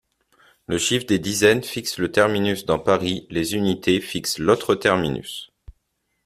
Le chiffre des dizaines fixe le terminus dans Paris, les unités fixent l'autre terminus.